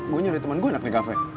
gue nyari temen gue anak nekafe